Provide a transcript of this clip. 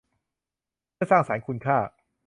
เพื่อสร้างสรรค์คุณค่า